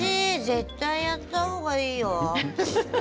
絶対やった方がいいよ。